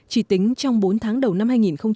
chỉ tính trong bốn tháng đầu năm hai nghìn một mươi chín